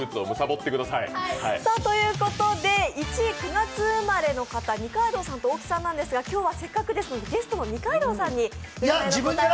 １位９月生まれの方、二階堂さんと大木さんなんですが、今日はせっかくですので、ゲストの二階堂さんに。いや！